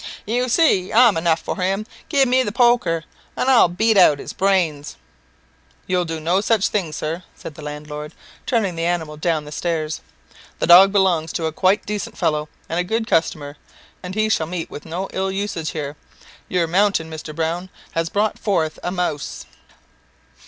"You see I'm enough for him; give me the poker, and I'll beat out his brains." "You'll do no such thing, sir," said the landlord, turning the animal down the stairs. "The dog belongs to a quiet decent fellow, and a good customer, and he shall meet with no ill usage here. Your mountain, Mr. Browne, has brought forth a mouse."